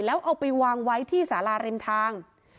แล้วเอาไปวางไว้ที่สาราริมทาง